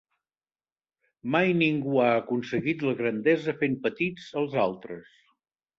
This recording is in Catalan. Mai ningú ha aconseguit la grandesa fent petits els altres.